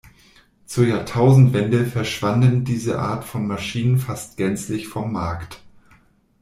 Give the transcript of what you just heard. Zur Jahrtausendwende verschwanden diese Art von Maschinen fast gänzlich vom Markt.